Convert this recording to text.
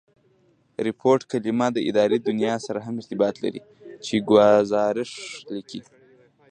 ریپوټ کلیمه د اداري دونیا سره هم ارتباط لري، چي ګوزارښ لیکي.